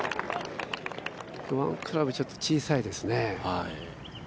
１クラブ、ちょっと小さいですね。